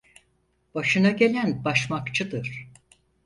Başına gelen başmakçıdır.